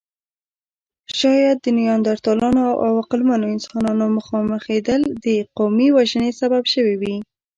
شاید د نیاندرتالانو او عقلمنو انسانانو مخامخېدل د قومي وژنې سبب شوې وي.